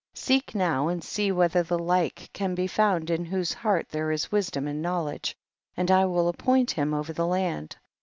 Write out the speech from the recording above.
4. Seek now and see whether the like can be found in whose heart there is wisdom and knowledge, and I will appoint him over the land.